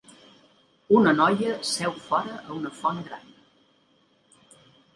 Una noia seu fora a una font gran.